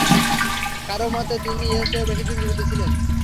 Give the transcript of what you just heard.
কারও মতে, তিনি এর চেয়ে বেশিদিন জীবিত ছিলেন।